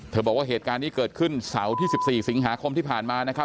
บอกว่าเหตุการณ์นี้เกิดขึ้นเสาร์ที่๑๔สิงหาคมที่ผ่านมานะครับ